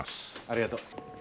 ありがとう。